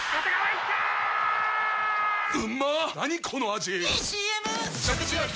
⁉いいＣＭ！！